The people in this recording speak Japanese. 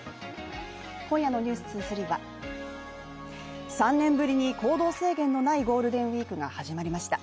今夜の「ｎｅｗｓ２３」は３年ぶりに行動制限のないゴールデンウイークが始まりました。